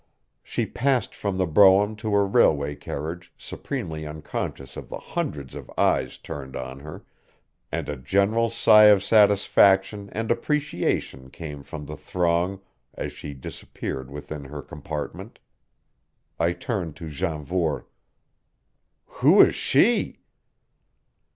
She passed from the brougham to her railway carriage supremely unconscious of the hundreds of eyes turned on her, and a general sigh of satisfaction and appreciation came from the throng as she disappeared within her compartment. I turned to Janvour. "Who is she?"